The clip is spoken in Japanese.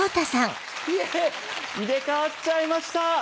入れ替わっちゃいました！